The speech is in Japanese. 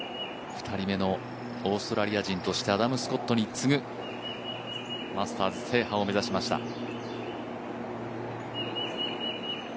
２人目のオーストラリア人としてアダム・スコットに次ぐマスターズ制覇を目指しました。